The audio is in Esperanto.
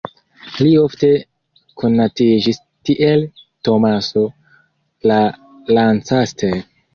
Li ofte konatiĝis kiel Tomaso de Lancaster.